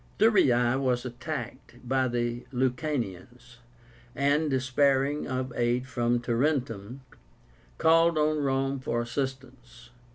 Thurii was attacked by the Lucanians, and, despairing of aid from Tarentum, called on Rome for assistance.